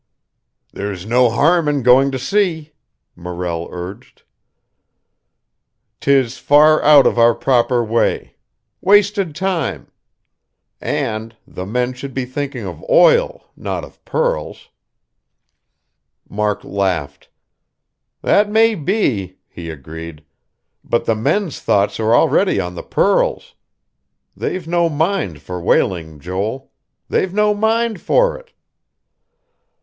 "There's no harm in going to see," Morrell urged. "'Tis far out of our proper way. Wasted time. And the men should be thinking of oil, not of pearls." Mark laughed. "That may be," he agreed. "But the men's thoughts are already on the pearls. They've no mind for whaling, Joel. They've no mind for it."